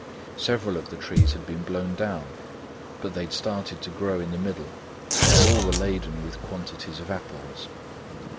Several of the trees had been blown down, but they had started to grow in the middle and all were laden with quantities of apples.